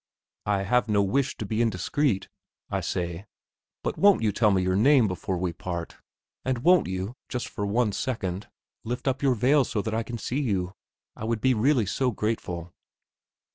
"I have no wish to be indiscreet," I say; "but won't you tell me your name before we part? and won't you, just for one second, lift up your veil so that I can see you? I would be really so grateful."